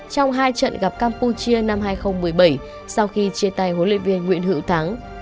trong hai trận gặp campuchia năm hai nghìn một mươi bảy sau khi chia tay huấn luyện viên nguyễn hữu thắng